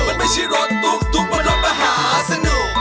มันไม่ใช่รถตุ๊กบนรถมหาสนุก